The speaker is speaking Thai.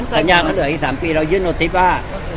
สัญญาเขาเหลืออีก๓ปีเรายื่นโนติฟว่า